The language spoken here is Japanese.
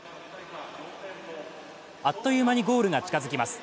あっという間にゴールが近づきます。